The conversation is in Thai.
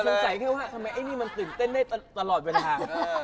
จริงใส่ที่ว่าทำไมเอ๊ยนี่มันสนิทใจได้ตลอดเวลา